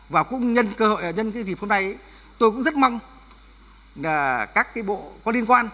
và cũng nhân dịp hôm nay tôi cũng rất mong các bộ có liên quan